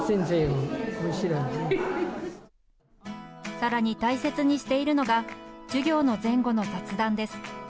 さらに、大切にしているのが授業の前後の雑談です。